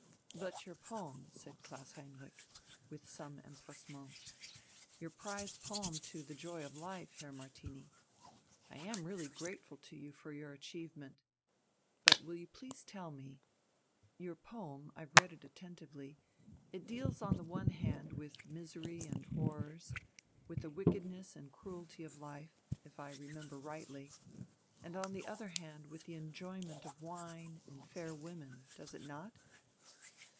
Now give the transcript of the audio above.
"But your poem," said Klaus Heinrich, with some empressement. "Your prize poem to the 'Joy of Life,' Herr Martini.... I am really grateful to you for your achievement. But will you please tell me ... your poem I've read it attentively. It deals on the one hand with misery and horrors, with the wickedness and cruelty of life, if I remember rightly, and on the other hand with the enjoyment of wine and fair women, does it not?..."